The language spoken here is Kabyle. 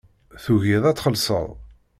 Tugiḍ ad txellṣeḍ.